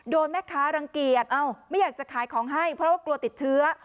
แม่ค้ารังเกียจไม่อยากจะขายของให้เพราะว่ากลัวติดเชื้อ